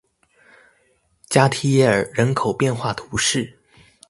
加提耶尔人口变化图示